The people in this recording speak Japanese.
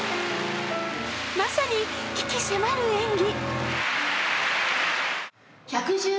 まさに鬼気迫る演技。